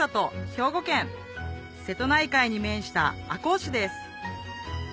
兵庫県瀬戸内海に面した赤穂市です